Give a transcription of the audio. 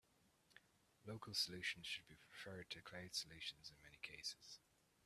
Local solutions should be preferred to cloud solutions in many cases.